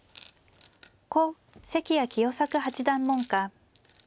故関屋喜代作八段門下。